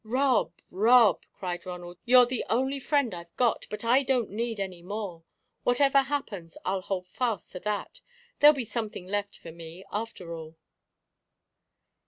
"Rob! Rob!" cried Ronald, "you're the only friend I've got, but I don't need any more. Whatever happens, I'll hold fast to that there'll be something left for me after all!"